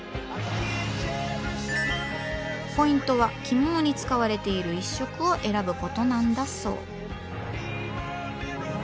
ポイントは着物に使われている一色を選ぶことなんだそう。